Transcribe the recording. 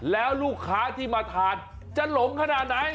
แล้วลูกค้าที่มาทานจะหลงขนาดไหน